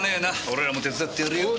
俺らも手伝ってやるよ。